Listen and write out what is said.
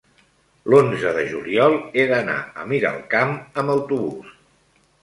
l'onze de juliol he d'anar a Miralcamp amb autobús.